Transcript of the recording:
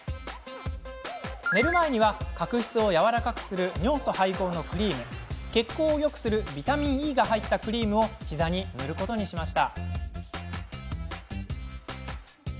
寝る前には角質をやわらかくする尿素配合のクリーム血行をよくするビタミンＥが入ったクリームをひざに塗ることにしました。